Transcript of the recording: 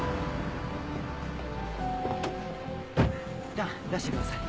じゃあ出してください。